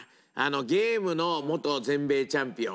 ゲームの元全米チャンピオン。